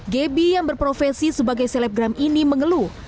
geby yang berprofesi sebagai selebgram ini mengeluh